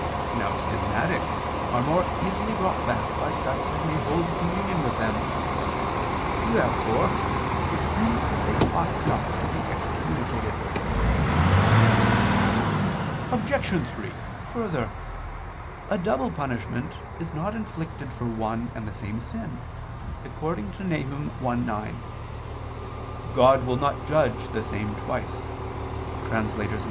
Now schismatics are more easily brought back by such as may hold communion with them. Therefore it seems that they ought not to be excommunicated. Obj. 3: Further, a double punishment is not inflicted for one and the same sin, according to Nahum 1:9: "God will not judge the same twice" [*Septuagint version].